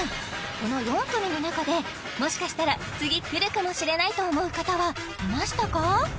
この４組の中でもしかしたら次くるかもしれないと思う方はいましたか？